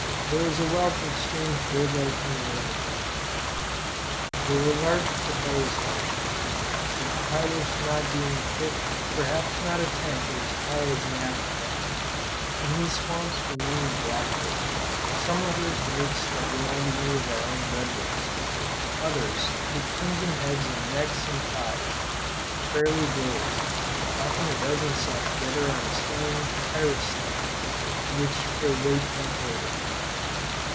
There was a wealth of strange bird life in the neighborhood. There were large papyrus marshes, the papyrus not being a fifth, perhaps not a tenth, as high as in Africa. In these swamps were many blackbirds. Some uttered notes that reminded me of our own redwings. Others, with crimson heads and necks and thighs, fairly blazed; often a dozen sat together on a swaying papyrus stem which their weight bent over.